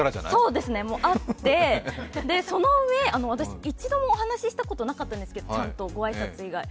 そうですね、そのうえ私一度もお話したことなかったんですけどごあいさつ以外。